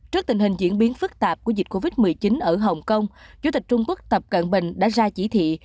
trước tình hình diễn biến phức tạp của dịch covid một mươi chín ở hồng kông chủ tịch trung quốc tập cận bình đã ra chỉ thị